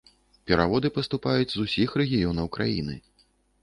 Пераводы паступаюць з усіх рэгіёнаў краіны.